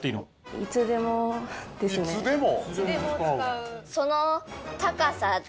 いつでも使う。